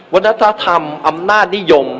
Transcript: วัฒนธรรมอำนาจนิยม